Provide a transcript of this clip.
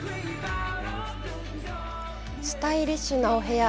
スタイリッシュなお部屋。